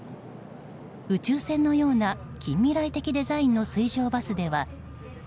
宇宙船のような近未来的デザインの水上バスでは。